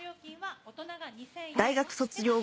大学卒業後